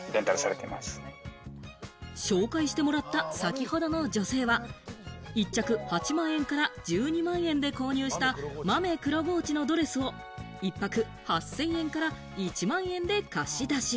紹介してもらった先ほどの女性は、１着８万円から１２万円で購入したマメクロゴウチのドレスを１泊８０００円から１万円で貸し出し。